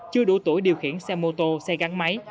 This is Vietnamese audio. chưa đủ tuổi điều khiển xe mô tô xe gắn máy